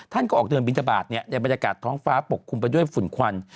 ท่านก็ออกเดินบินทบาทในบรรยากาศท้องฟ้าปกคลุมไปด้วยฝุ่นควัน